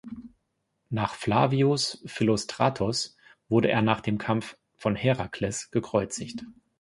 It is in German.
Nach Flavius Philostratos wurde er nach dem Kampf von Herakles gekreuzigt.